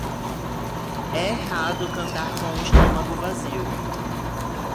É errado cantar com o estômago vazio.